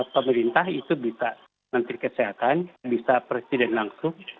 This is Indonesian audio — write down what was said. pemerintah itu bisa menteri kesehatan bisa presiden langsung